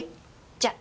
じゃあ。